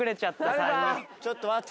ちょっと待って！